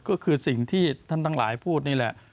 ก็คือสิ่งที่ท่านทั้งหลายพูดนี่แหละ